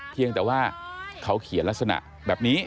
เพียงแต่ว่าเขาเขียนลักษณะแบบนี้